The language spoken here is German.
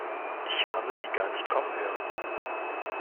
Ich habe sie gar nicht kommen hören.